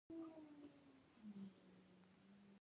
د بندونو درد لپاره د تورې دانې تېل وکاروئ